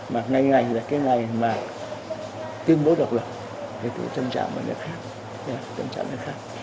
mà ngày ngày là cái ngày mà tuyên bố độc lập thì tâm trạng nó khác tâm trạng nó khác